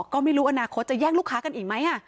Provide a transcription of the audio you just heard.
ก็ไม่รู้อนาคตจะแย่งลูกค้ากันอีกไหม